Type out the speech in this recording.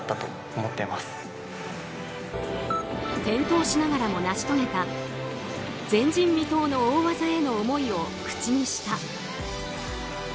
転倒しながらも成し遂げた前人未到の大技への思いを口にした。